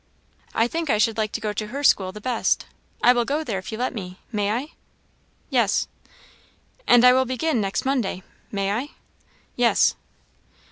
"I think I should like to go to her school the best. I will go there if you let me may I?" "Yes." "And I will begin next Monday may I?" "Yes."